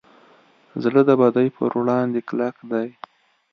زړه د بدۍ پر وړاندې کلک دی.